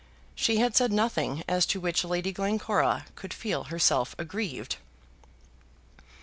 She had said nothing as to which Lady Glencora could feel herself aggrieved.